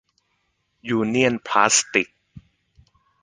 ยูเนี่ยนพลาสติก